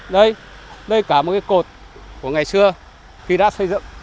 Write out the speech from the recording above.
đây đây cả một cái cột của ngày xưa khi đã xây dựng